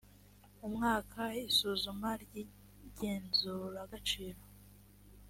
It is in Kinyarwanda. umwaka isuzuma ry igenzuragaciro